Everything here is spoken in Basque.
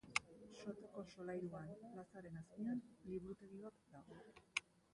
Sotoko solairuan, plazaren azpian, liburutegi bat dago.